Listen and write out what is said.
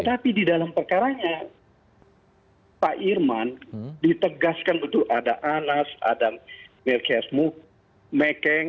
tapi di dalam perkaranya pak irman ditegaskan betul ada anas ada merkesmu mekeng